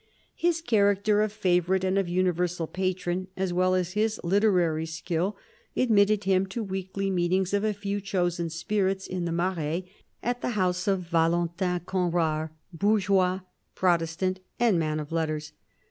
His character of favourite and of universal patron, as well as his literary skill, admitted him to weekly meetings of a few chosen spirits in the Marais, at the house of Valentin Conrart, bourgeois, Protestant, and man of letters.